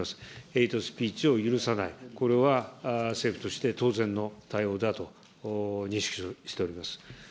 ヘイトスピーチを許さない、これは政府として当然の対応だと認識しております。